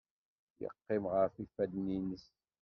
Yeqqim ɣef yifadden-nnes.